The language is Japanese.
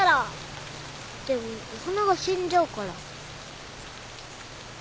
でもお花が死んじゃうから。